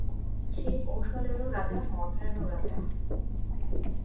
সে কোশলেরও রাজা, মদ্রেরও রাজা।